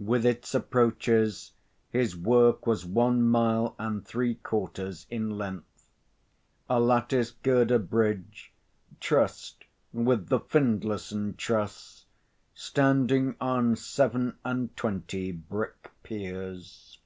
With its approaches, his work was one mile and three quarters in length; a lattice girder bridge, trussed with the Findlayson truss standing on seven and twenty brick piers.